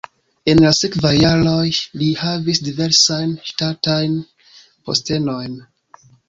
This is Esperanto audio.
En la sekvaj jaroj li havis diversajn ŝtatajn postenojn.